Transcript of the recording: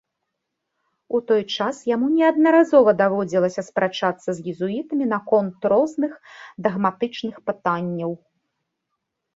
Ужо ў той час яму неаднаразова даводзілася спрачацца з езуітамі наконт розных дагматычных пытанняў.